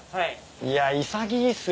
いや潔いっすよね。